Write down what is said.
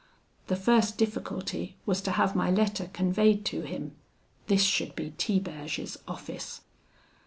The first difficulty was to have my letter conveyed to him: this should be Tiberge's office.